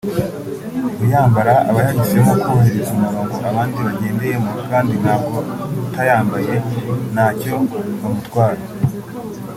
uyambara aba yahisemo kubahiriza umurongo abandi bagendeyemo kandi nabwo atayambaye ntacyo bamutwara